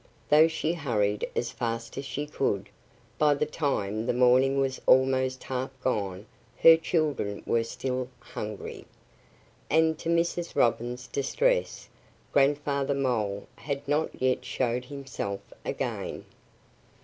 Though she hurried as fast as she could, by the time the morning was almost half gone her children were still hungry; and to Mrs. Robin's distress Grandfather Mole had not yet showed himself again.